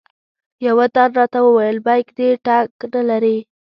یوه تن راته وویل بیک دې ټګ نه لري.